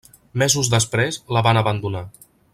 Mesos després la van abandonar.